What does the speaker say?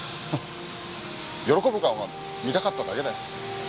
喜ぶ顔が見たかっただけだよ。